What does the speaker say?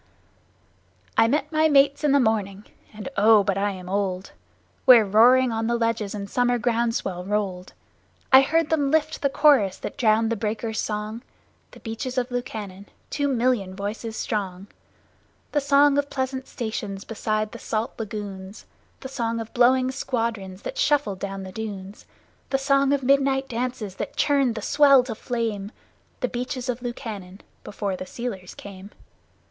I met my mates in the morning (and, oh, but I am old!) Where roaring on the ledges the summer ground swell rolled; I heard them lift the chorus that drowned the breakers' song The Beaches of Lukannon two million voices strong. The song of pleasant stations beside the salt lagoons, The song of blowing squadrons that shuffled down the dunes, The song of midnight dances that churned the sea to flame The Beaches of Lukannon before the sealers came!